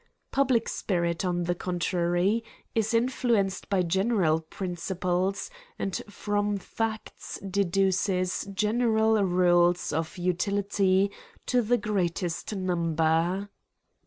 Public bpirit, on the contrary, is in fluenced by general principles, and from facts deduces general rules of utility to the greatest number.